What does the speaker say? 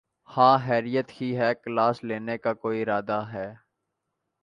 ہاں خیریت ہی ہے۔۔۔ کلاس لینے کا کوئی ارادہ ہے؟